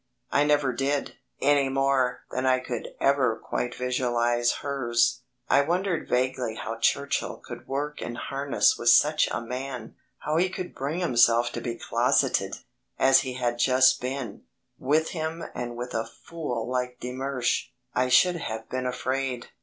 I never did, any more than I could ever quite visualise hers. I wondered vaguely how Churchill could work in harness with such a man, how he could bring himself to be closeted, as he had just been, with him and with a fool like de Mersch I should have been afraid.